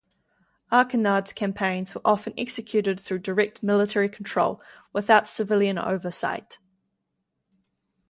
Archinard's campaigns were often executed through direct military control, without civilian oversight.